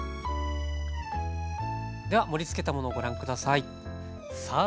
では盛りつけたものをご覧下さい。